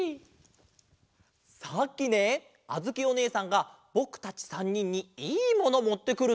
さっきねあづきおねえさんがぼくたち３にんに「いいもの」もってくる！